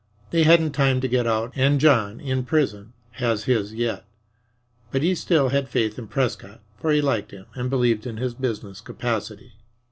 They hadn't time to get out, and John, in prison, has his yet. But he still had faith in Prescott, for he liked him and believed in his business capacity.